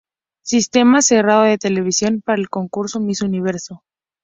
Sistema Cerrado de Televisión para el concurso Miss Universo.